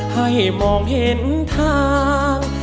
ให้มองเห็นทาง